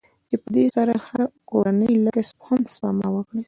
چې په دې سره که هره کورنۍ لږ هم سپما وکړي.